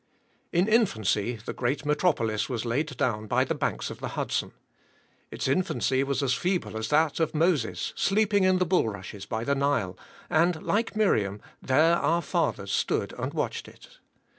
In infancy, the great metropolis was laid down by the banks of the Hudson. Its infancy was as feeble as that of Moses, sleeping in the bulrushes by the Nile; and like Miriam, there our fathers stood and watched it.